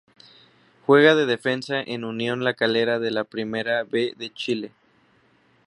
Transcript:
Juega de defensa en Unión La Calera de la Primera B de Chile.